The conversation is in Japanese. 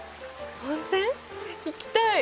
行きたい！